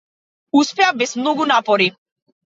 Успеа без многу напори.